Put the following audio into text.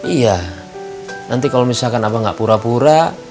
iya nanti kalau misalkan abang gak pura pura